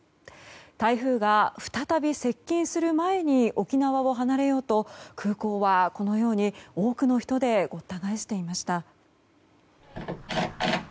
台風が再び接近する前に沖縄を離れようと空港はこのように、多くの人でごった返していました。